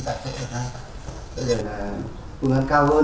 đó là phương án cao hơn